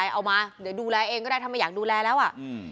เอามาเดี๋ยวดูแลเองก็ได้ถ้าไม่อยากดูแลแล้วอ่ะอืม